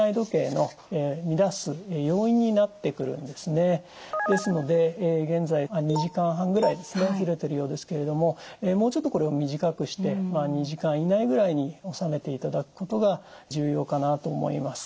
ただですので現在２時間半ぐらいずれてるようですけれどももうちょっとこれを短くして２時間以内ぐらいに収めていただくことが重要かなと思います。